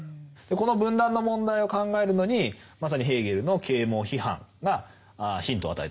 この分断の問題を考えるのにまさにヘーゲルの啓蒙批判がヒントを与えてくれるということなんですね。